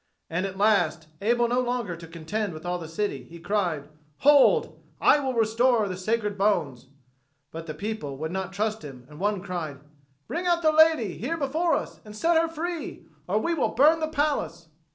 And at last, able no longer to contend with all the city, he cried, "Hold! I will restore the sacred bones!" But the people would not trust him and one cried, "Bring out the lady here before us and set her free, or we will burn the palace."